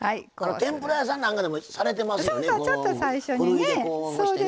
天ぷら屋さんなんかもしてますよね。